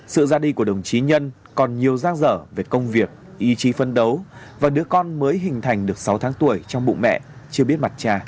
sự ra đi của đồng chí nhân còn nhiều giang dở về công việc ý chí phân đấu và đứa con mới hình thành được sáu tháng tuổi trong bụng mẹ chưa biết mặt trà